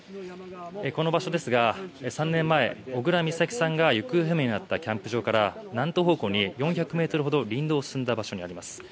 この場所ですが３年前、小倉美咲さんが行方不明になったキャンプ場から南東方向に４００ｍほど林道を進んだ場所にあります。